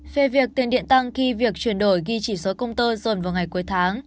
về việc tiền điện tăng khi việc chuyển đổi ghi chỉ số công tơ dồn vào ngày cuối tháng